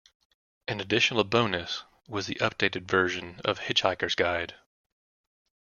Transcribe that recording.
An additional bonus was the updated version of "Hitchhiker's Guide".